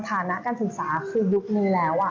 ฐานะการศึกษาคือยุคนี้แล้ว